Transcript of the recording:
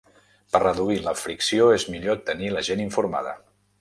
Per reduir la fricció, és millor tenir la gent informada.